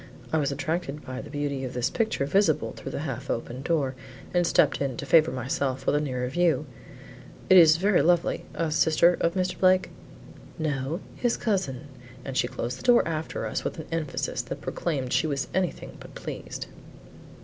"I was attracted by the beauty of this picture visible through the half open door and stepped in to favor myself with a nearer view. It is very lovely. A sister of Mr. Blake?" "No, his cousin;" and she closed the door after us with an emphasis that proclaimed she was anything but pleased.